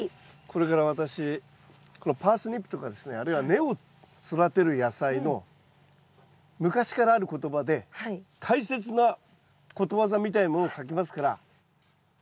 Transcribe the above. これから私このパースニップとかですねあるいは根を育てる野菜の昔からある言葉で大切なことわざみたいなものを書きますから。